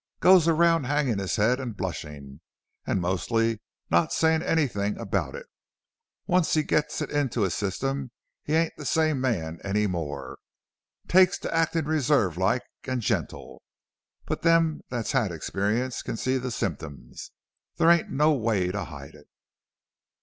Goes around hangin' his head an' blushin', an' mostly not sayin' anything about it. Once he gets it into his system he ain't the same man any more. Takes to actin' reserved like an' gentle. But them that's had experience can see the symptoms. There ain't no way to hide it."